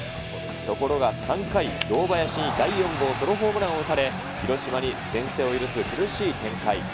ところが３回、堂林に第４号ソロホームランを打たれ、広島に先制を許す苦しい展開。